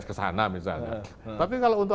kesana misalnya tapi kalau untuk